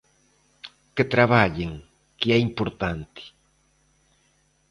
Que traballen, que é importante.